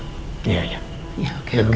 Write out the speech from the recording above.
kita masuk ke dalam dulu